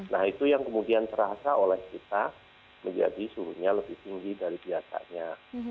nah itu yang kemudian terasa oleh kita menjadi suhunya lebih tinggi dari biasanya